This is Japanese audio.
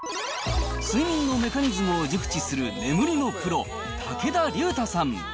睡眠のメカニズムを熟知する眠りのプロ、竹田竜太さん。